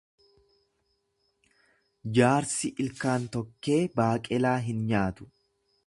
Jaarsi ilkaan tokkee baaqelaa hin nyaatu